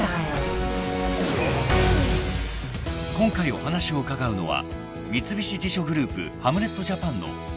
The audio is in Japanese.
［今回お話を伺うのは］